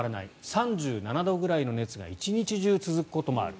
３７度ぐらいの熱が一日中続くこともある。